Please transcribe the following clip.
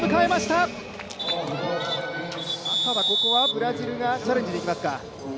ただここはブラジルがチャレンジいきますか。